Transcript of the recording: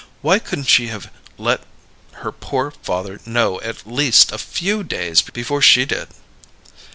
"Why couldn't she have let her poor father know at least a few days before she did?"